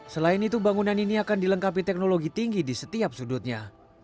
selain itu bangunan ini akan dilengkapi teknologi tinggi di setiap sudutnya